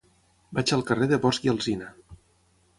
Vaig al carrer de Bosch i Alsina.